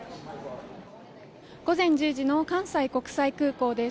午前１０時の関西国際空港です。